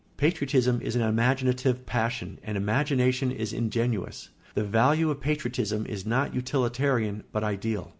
Patriotism is an imaginative passion, and imagination is ingenuous. The value of patriotism is not utilitarian, but ideal.